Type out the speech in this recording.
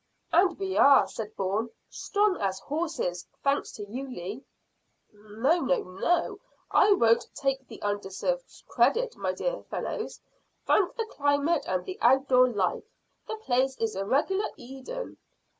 "And we are," said Bourne. "Strong as horses, thanks to you, Lee." "No, no, no, I won't take the undeserved credit, my dear fellows; thank the climate and the out door life. The place is a regular Eden."